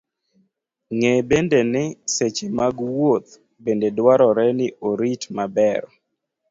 Ng'e bende ni, seche mag wuoth bende dwarore ni orit maber.